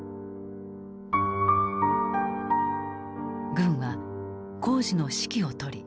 軍は工事の指揮を執り